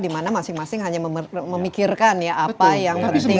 di mana masing masing hanya memikirkan apa yang penting